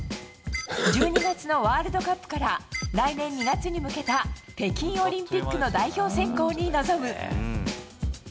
１２月のワールドカップから来年２月に向けた北京オリンピックの代表選考に臨む。